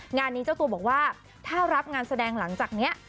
งานนี้เจ้าตัวบอกว่าถ้ารับงานแสดงหลังจากนี้